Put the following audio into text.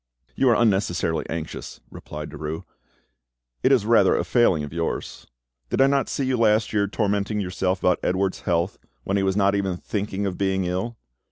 "You are unnecessarily anxious," replied Derues; "it is rather a failing of yours. Did I not see you last year tormenting yourself about Edouard's health, when he was not even thinking of being ill?